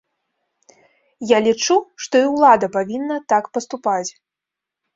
Я лічу, што і ўлада павінна так паступаць.